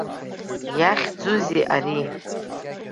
Иахьӡузеи ари?